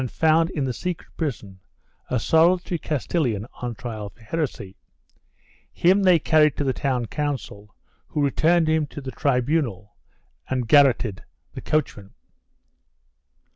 290. CHAP. IV] CATALONIA 477 found in the secret prison a solitary Castilian on trial for heresy. Him they carried to the town council who returned him to the tribunal and garroted the coachman.